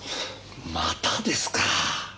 またですか？